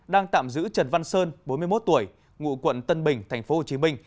đang tạm giữ trần văn sơn bốn mươi một tuổi ngụ quận tân bình tp hcm